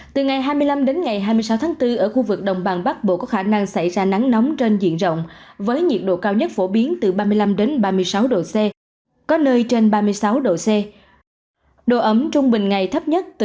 từ ngày hai mươi năm đến ngày hai mươi sáu tháng bốn ở khu vực đồng bằng bắc bộ có khả năng xảy ra nắng nóng trên diện rộng với nhiệt độ cao nhất phổ biến từ ba mươi năm ba mươi sáu độ c có nơi trên ba mươi sáu độ c độ ấm trung bình ngày thấp nhất từ năm mươi sáu mươi